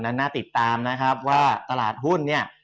น่าติดตามนะครับว่าตลาดหุ้นเนี่ย